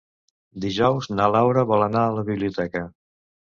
Dijous na Laura vol anar a la biblioteca.